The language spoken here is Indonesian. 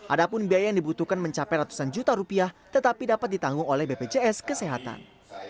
ada pun biaya yang dibutuhkan mencapai ratusan juta rupiah tetapi dapat ditanggung oleh bpjs kesehatan